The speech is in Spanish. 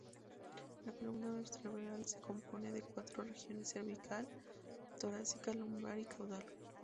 La columna vertebral se compone de cuatro regiones: cervical, torácica, lumbar y caudal.